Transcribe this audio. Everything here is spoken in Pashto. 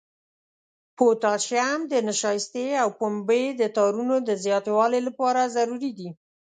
پوتاشیم د نشایستې او پنبې د تارونو د زیاتوالي لپاره ضروري دی.